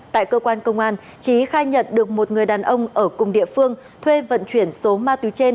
tại cơ quan công an trí khai nhận được một người đàn ông ở cùng địa phương thuê vận chuyển số ma túy trên